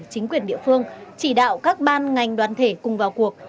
chính quyền địa phương chỉ đạo các ban ngành đoàn thể cùng vào cuộc